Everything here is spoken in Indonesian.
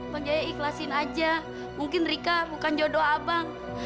bang jaya ikhlasin aja mungkin rika bukan jodoh abang